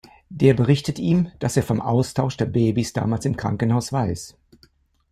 Der berichtet ihm, dass er vom Austausch der Babys damals im Krankenhaus weiß.